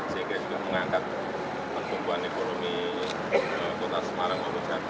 sehingga juga mengangkat pembungkuan ekonomi kota semarang